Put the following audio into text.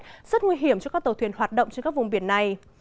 rất nguy hiểm cho các tàu thuyền hoạt động trên các vùng biển này